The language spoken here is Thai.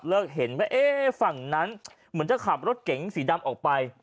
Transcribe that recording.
เห็นว่าเอ๊ะฝั่งนั้นเหมือนจะขับรถเก๋งสีดำออกไป